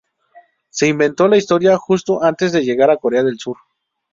Se inventó la historia justo antes de llegar a Corea del Sur".